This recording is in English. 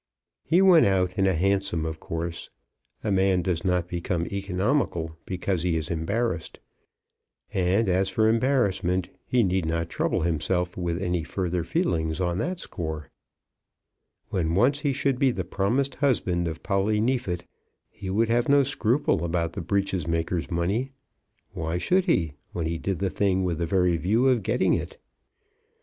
He went out in a hansom of course. A man does not become economical because he is embarrassed. And as for embarrassment, he need not trouble himself with any further feelings on that score. When once he should be the promised husband of Polly Neefit, he would have no scruple about the breeches maker's money. Why should he, when he did the thing with the very view of getting it?